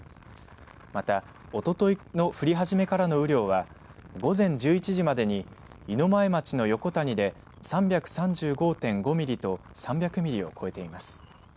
また、おとといの降り始めからの雨量は午前１１時までに湯前町の横谷で３３５．５ミリと３００ミリを超えています。